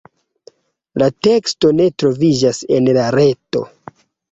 La teksto ne troviĝas en la reto.